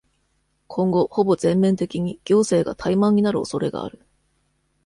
今後、ほぼ全面的に、行政が怠慢になる恐れがある。